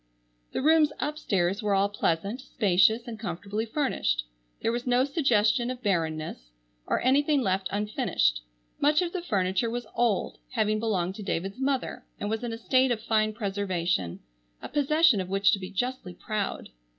The rooms upstairs were all pleasant, spacious, and comfortably furnished. There was no suggestion of bareness or anything left unfinished. Much of the furniture was old, having belonged to David's mother, and was in a state of fine preservation, a possession of which to be justly proud.